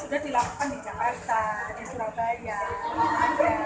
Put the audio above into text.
menderang dari celikactrack comseousse coba cari buku keluarga mila